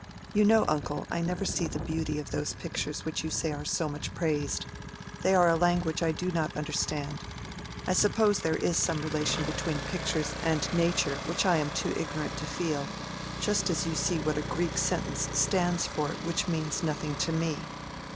"You know, uncle, I never see the beauty of those pictures which you say are so much praised. They are a language I do not understand. I suppose there is some relation between pictures and nature which I am too ignorant to feel—just as you see what a Greek sentence stands for which means nothing to me."